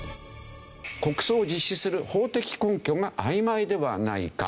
国葬を実施する法的根拠があいまいではないか。